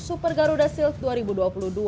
super garuda shield dua ribu dua puluh dua